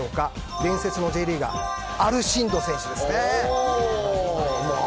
伝説のＪリーガー、アルシンド選手です。